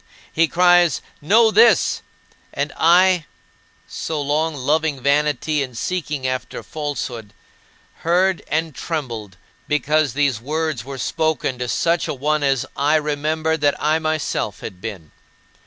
He cries, "Know this," and I so long "loving vanity, and seeking after falsehood" heard and trembled, because these words were spoken to such a one as I remembered that I myself had been.